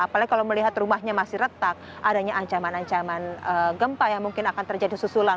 apalagi kalau melihat rumahnya masih retak adanya ancaman ancaman gempa yang mungkin akan terjadi susulan